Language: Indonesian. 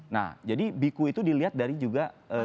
nah jadi biku itu dilihat dari juga